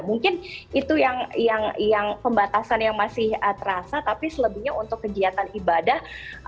mungkin itu yang pembatasan yang masih terasa tapi selebihnya untuk kegiatan ibadah